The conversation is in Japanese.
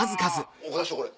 岡田師匠これ。